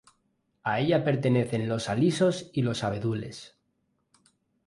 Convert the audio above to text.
A ella pertenecen los alisos y los abedules.